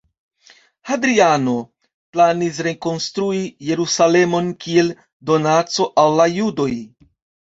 Hadriano planis rekonstrui Jerusalemon kiel donaco al la Judoj.